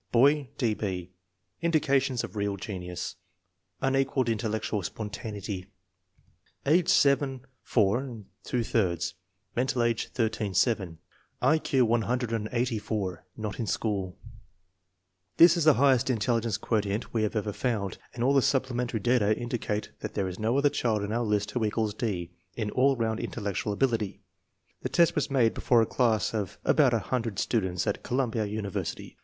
Boy: D. B. Indications of real genius. Unequaled intellectual spontaneity. Age 7 4f ; mental age 13 7; I Q 184; not in school. 252 INTELLIGENCE OF SCHOOL CfflLDEEN This is the highest intelligence quotient we have ever found, and all the supplementary data indicate that there is no other child in our list who equals D. in all round intellectual ability. The test was made before a class of about a hundred students at Columbia University.